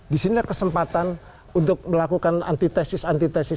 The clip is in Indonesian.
di sini ada kesempatan untuk melakukan antitesis antitesis